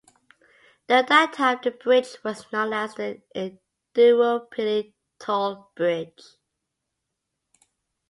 During that time, the bridge was known as the "Indooroopilly Toll Bridge".